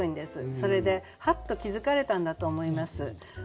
それではっと気付かれたんだと思います。